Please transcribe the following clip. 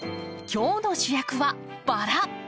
今日の主役は「バラ」。